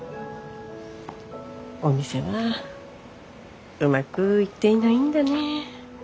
お店はうまくいっていないんだね。